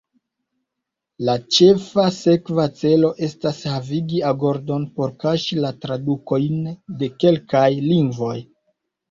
La ĉefa sekva celo estas havigi agordon por kaŝi la tradukojn de kelkaj lingvoj.